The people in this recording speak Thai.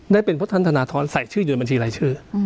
ได้เป็นพฤษฐานทนาท้อนใส่ชื่ออยู่ในบัญชีไร้ชื่อ